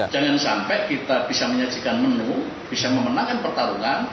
jangan sampai kita bisa menyajikan menu bisa memenangkan pertarungan